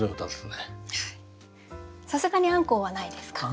さすがにアンコウはないですか？